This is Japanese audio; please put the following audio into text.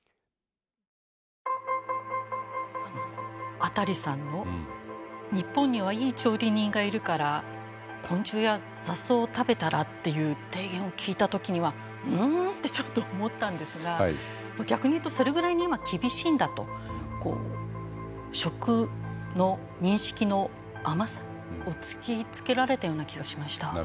アタリさんの「日本にはいい調理人がいるから昆虫や雑草を食べたら」という提言を聞いた時にはんんってちょっと思ったんですが逆に言うとそれぐらいに今厳しいんだと食の認識の甘さを突きつけられたような気がしました。